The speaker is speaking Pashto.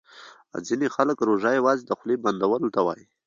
ځیني خلګ روژه یوازي د خولې بندولو ته وايي